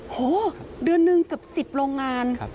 โหเดือนหนึ่งเกือบ๑๐โรงงาน